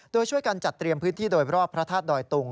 โดยช่วยกันจัดเตรียมพื้นที่โดยรอบพระธาตุดอยตุง